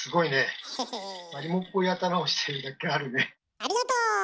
ありがとう！